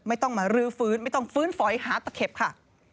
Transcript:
ไม่ต้องมารื้อฟื้นไม่ต้องฟื้นฝอยหาตะเข็บค่ะ